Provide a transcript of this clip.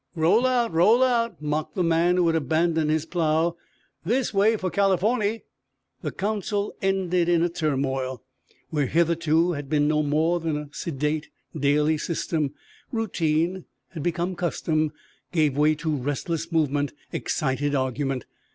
"Roll out! Roll out!" mocked the man who had abandoned his plow. "This way for Californy!" The council ended in turmoil, where hitherto had been no more than a sedate daily system. Routine, become custom, gave way to restless movement, excited argument.